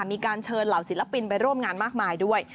มีการเชิญเหล่าศิลปินไปร่วมงานมากมายด้วย